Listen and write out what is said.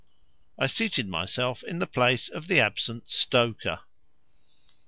I seated myself in the place of the absent stoker.